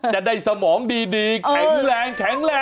จะได้สมองดีแข็งแรง